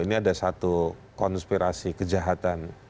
ini ada satu konspirasi kejahatan